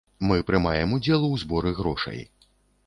Мы прымаем удзел у зборы грошай.